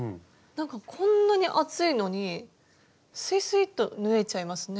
なんかこんなに厚いのにスイスイッと縫えちゃいますね。